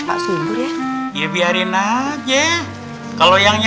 kalau dia kan orang kaya